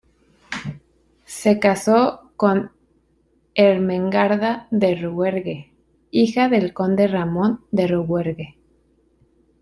Se casó con Ermengarda de Rouergue, hija del conde Ramón de Rouergue.